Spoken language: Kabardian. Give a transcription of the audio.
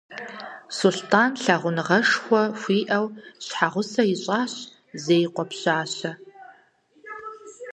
Сулътӏан лъагъуныгъэшхуэ хуиӏэу щхьэгъусэ ищӏащ Зеикъуэ пщащэ.